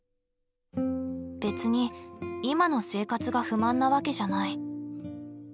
別に今の生活が不満なわけじゃない。